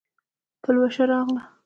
پلوشه راغله